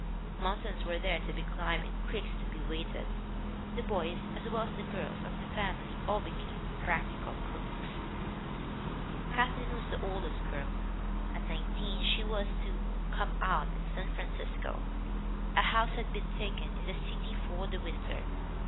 Mountains were there to be climbed and creeks to be waded. "The boys as well as the girls of the family all became practical cooks." 72 THE WOMEN WHO MAKE OUR NOVELS Kathleen was the oldest girl. At nineteen she was to "come out" in San Francisco. A house had been taken in the city for the winter.